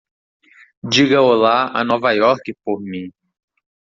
Diga olá a Nova York por mim.